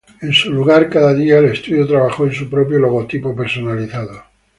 En su lugar, cada día, el estudio trabajó en su propio logotipo personalizado.